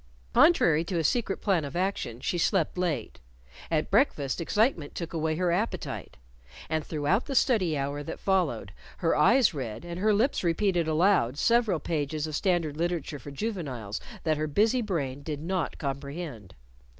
Contrary to a secret plan of action, she slept late. At breakfast, excitement took away her appetite. And throughout the study hour that followed, her eyes read, and her lips repeated aloud, several pages of standard literature for juveniles that her busy brain did not comprehend.